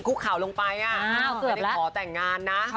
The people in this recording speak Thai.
เกือบแล้ว